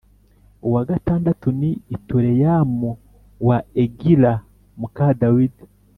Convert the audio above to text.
uwa gatandatu ni Itureyamu wa Egila muka Dawidi.